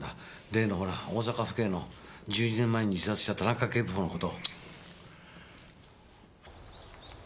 例のほら大阪府警の１２年前に自殺した田中警部補の事。